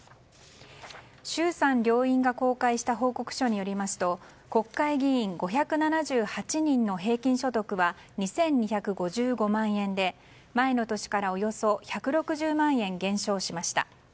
衆参両院が公開した報告書によりますと国会議員５７８人の平均所得は２２５５万円で前の年からおよそ１６０万円減少しました。